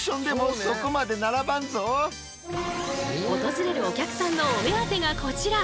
訪れるお客さんのお目当てがこちら。